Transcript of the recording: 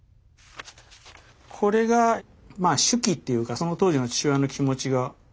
これがまあ手記っていうかその当時の父親の気持ちが。